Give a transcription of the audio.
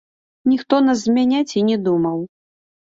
Ніхто нас змяняць і не думаў.